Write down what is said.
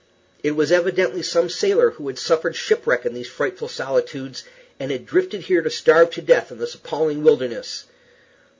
It was evidently some sailor who had suffered shipwreck in these frightful solitudes, and had drifted here to starve to death in this appalling wilderness.